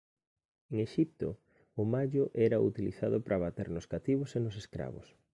En Exipto o mallo era utilizado para bater nos cativos e nos escravos.